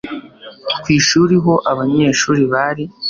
kwishuri ho abanyeshuri bari